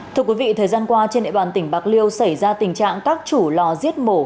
thưa quý vị thời gian qua trên địa bàn tỉnh bạc liêu xảy ra tình trạng các chủ lò giết mổ